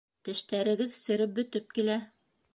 Тештәрегеҙ сереп бөтөп килә.